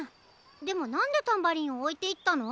でもなんでタンバリンをおいていったの？